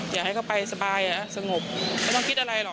อยากให้เขาไปสบายสงบไม่ต้องคิดอะไรหรอก